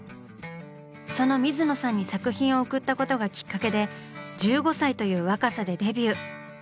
その水野さんに作品を送ったことがきっかけで１５歳という若さでデビュー！